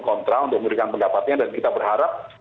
kontra untuk memberikan pendapatnya dan kita berharap